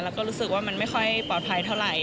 แล้วก็รู้สึกว่ามันไม่ค่อยปลอดภัยเท่าไหร่